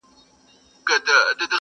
لاري بندي وې له واورو او له خټو -